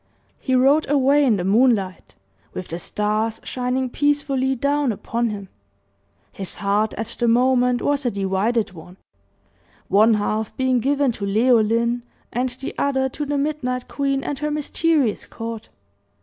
He rode away in the moonlight, with the stars shining peacefully down upon him. His heart at the moment was a divided one one half being given to Leoline, and the other to the Midnight Queen and her mysterious court.